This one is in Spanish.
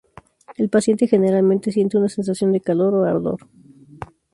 El paciente generalmente siente una sensación de calor o ardor.